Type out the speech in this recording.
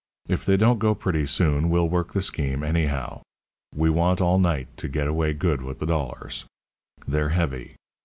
If they don't go pretty soon, we'll work the scheme anyhow. We want all night to get away good with the dollars. They're heavy.